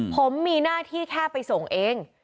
ผมมีหน้าที่แค่ไปส่งเอง